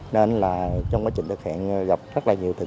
nên là trong quá trình thực hiện gặp rất là nhiều tình